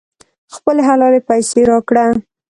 خپلې حلالې پیسې راکړه.